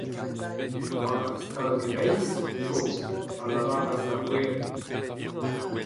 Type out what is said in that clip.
War ar stal-greiz, Job, a lavaras ar voereb.